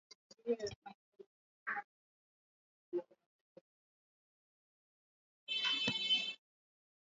Weka katika karantini au watenganishe wanyama wanaougua na wasiougua